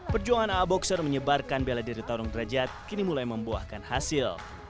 perjuangan a a boxer menyebarkan bela diri tarung deraja kini mulai membuahkan hasil